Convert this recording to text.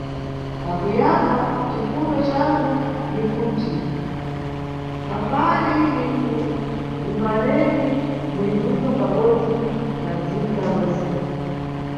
Pakuyamba, cifundo cangu ni kuti tsambali likugumaneni muli bwino pabodzi na adzinza wentse.